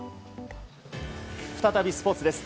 再びスポーツです。